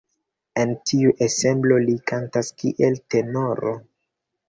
En tiu ensemblo li kantas kiel tenoro.